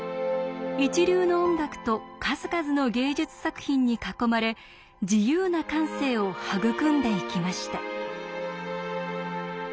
一流の音楽と数々の芸術作品に囲まれ自由な感性を育んでいきました。